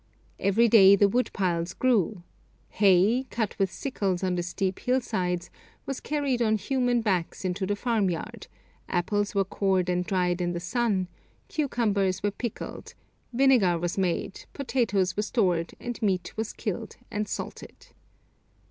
Every day the wood piles grew. Hay, cut with sickles on the steep hillsides, was carried on human backs into the farmyard, apples were cored and dried in the sun, cucumbers were pickled, vinegar was made, potatoes were stored, and meat was killed and salted.